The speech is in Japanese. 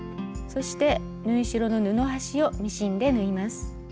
そして縫い代の布端をミシンで縫います。